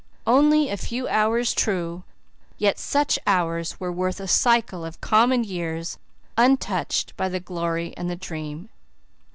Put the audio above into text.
Only a few hours true; yet such hours were worth a cycle of common years untouched by the glory and the dream.